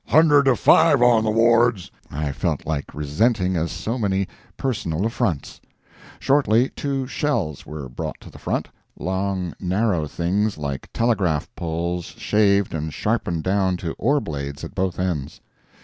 "Hundred to five on the Wards!" I felt like resenting as so many personal affronts. Shortly two "shells" were brought to the front—long, narrow things like telegraph poles shaved and sharpened down to oar blades at both ends.